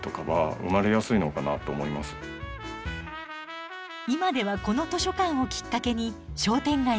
今ではこの図書館をきっかけに商店街が活気づいています。